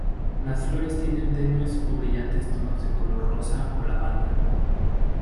Las flores tienen tenues o brillantes tonos de color rosa o lavanda.